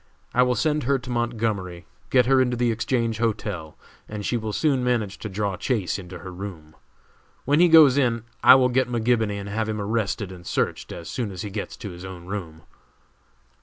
I will send her to Montgomery, get her into the Exchange Hotel, and she will soon manage to draw Chase into her room. When he goes in I will get McGibony and have him arrested and searched as soon as he gets to his own room."